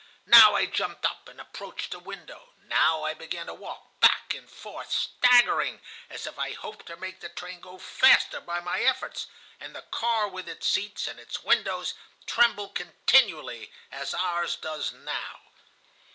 Now I jumped up and approached the window, now I began to walk back and forth, staggering as if I hoped to make the train go faster by my efforts, and the car with its seats and its windows trembled continually, as ours does now."